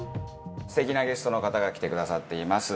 素敵なゲストの方が来てくださっています。